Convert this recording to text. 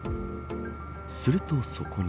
するとそこに。